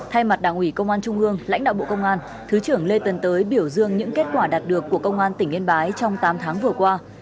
thay mặt đảng ủy công an trung ương lãnh đạo bộ công an thứ trưởng lê tân tới biểu dương những kết quả đạt được của công an tỉnh yên bái trong tám tháng vừa qua